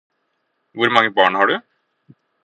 Hvor mange barn har du?